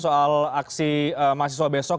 soal aksi mahasiswa besok